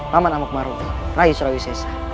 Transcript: laman amok maruta rayi surawi sesa